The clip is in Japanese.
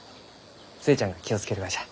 寿恵ちゃんが気を付けるがじゃ。